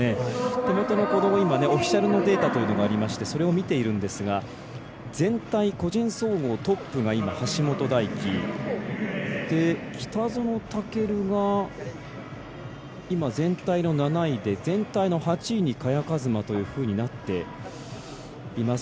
手元のオフィシャルのデータがありましてそれを見ているんですが全体、個人総合トップが今、橋本大輝。北園丈琉が今、全体の７位で全体の８位に萱和磨というふうになっています。